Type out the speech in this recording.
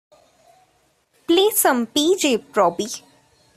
Play some P. J. Proby